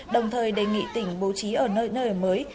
đồng thời đề nghị tỉnh bố trí ở nơi nơi ở mới